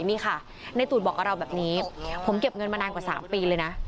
นี่ค่ะในตูดบอกกับเราแบบนี้ผมเก็บเงินมานานกว่า๓ปีเลยนะ